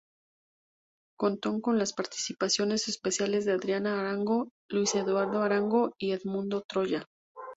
Contó con las participaciones especiales de Adriana Arango, Luis Eduardo Arango y Edmundo Troya.